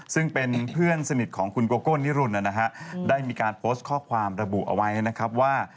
ซึ่งเป็นเพื่อนสนิทของคุณโกโก้นิรุนนะฮะได้มีการโพสต์ข้อความระบุเอาไว้นะครับว่า